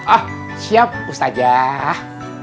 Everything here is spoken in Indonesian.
oh siap ustazah